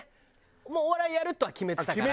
もうお笑いやるとは決めてたから。